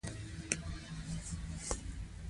مازیګر بېرته اردن ته اوړي.